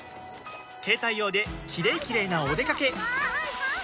携帯用で「キレイキレイ」なおでかけ